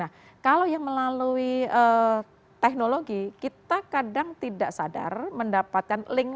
nah kalau yang melalui teknologi kita kadang tidak sadar mendapatkan link